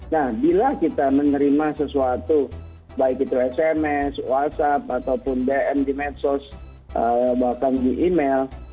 nah bila kita menerima sesuatu baik itu sms whatsapp ataupun dm di medsos bahkan di email